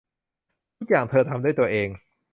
ทุกอย่างเธอทำด้วยตัวเอง